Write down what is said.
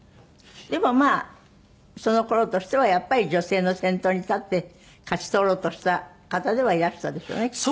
でもまあその頃としてはやっぱり女性の先頭に立って勝ち取ろうとした方ではいらしたでしょうねきっと。